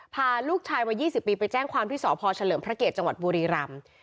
พาลูกชายวัย๒๐ปีไปแจ้งความที่สพเฉลิมพระเกียรติจังหวัดบุรีรำ